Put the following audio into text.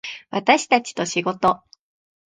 私たちと仕事